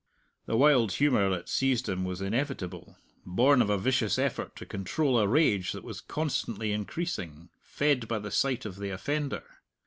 The wild humour that seized him was inevitable, born of a vicious effort to control a rage that was constantly increasing, fed by the sight of the offender.